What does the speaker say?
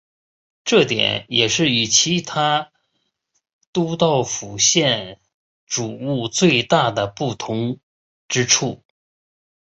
这点也是与其他都道府县的煮物最大的不同之处。